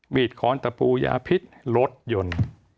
ดค้อนตะปูยาพิษรถยนต์